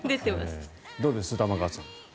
どうです、玉川さん。